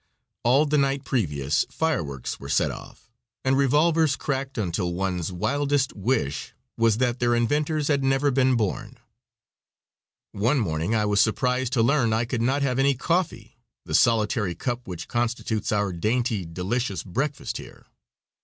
All the night previous fireworks were set off, and revolvers cracked until one's wildest wish was that their inventors had never been born. One morning I was surprised to learn I could not have any coffee the solitary cup which constitutes our dainty, delicious breakfast here.